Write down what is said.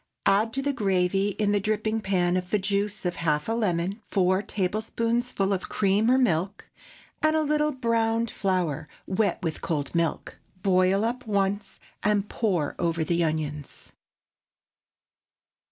Add to the gravy in the dripping pan the juice of half a lemon, four tablespoonfuls of cream or milk, and a little browned flour wet with cold milk. Boil up once, and pour over the onions.